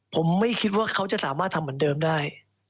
ผมไม่คิดว่าเขาจะสามารถทำเหมือนเดิมได้